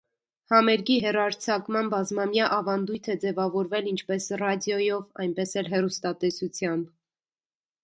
Համերգի հեռարձակման բազմամյա ավանդույթ է ձևավորվել ինչպես ռադիոյով, այնպես էլ հեռուստատեսությամբ։